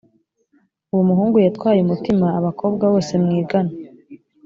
uwo muhungu yatwaye umutima abakobwa bose mwigana